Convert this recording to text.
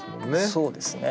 そうですね。